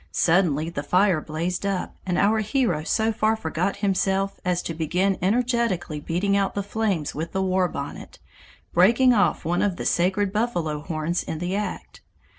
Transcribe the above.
Suddenly the fire blazed up, and our hero so far forgot himself as to begin energetically beating out the flames with the war bonnet, breaking off one of the sacred buffalo horns in the act.